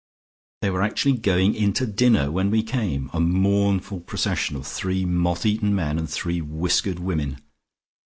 They were actually going into dinner when we came, a mournful procession of three moth eaten men and three whiskered women.